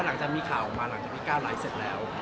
หลังจากมีข่าวออกมาหลังจากที่ก้าวไลฟ์เสร็จแล้ว